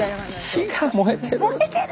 火が燃えてる。